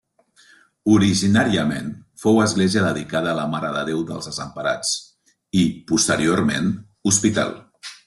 Originàriament fou església dedicada a la Mare de Déu dels Desemparats, i posteriorment hospital.